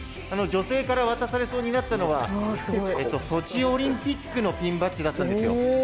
女性から渡されそうになったのはソチオリンピックのピンバッジだったんです。